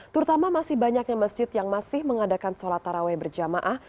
terutama masih banyaknya masjid yang masih mengadakan sholat taraweh berjamaah